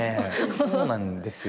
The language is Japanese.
そうなんですよ。